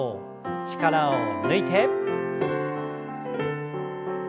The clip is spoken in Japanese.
力を抜いて。